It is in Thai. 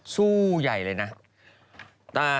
สู้ใหญ่เลยนะ